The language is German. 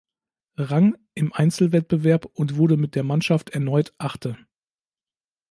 Rang im Einzelwettbewerb und wurde mit der Mannschaft erneut Achte.